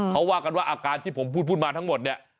เขาว่ากันว่าอาการที่ผมพูดมาทั้งหมดเนี่ย